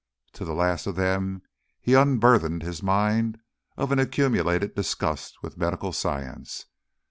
To the last of them he unburthened his mind of an accumulated disgust with medical science.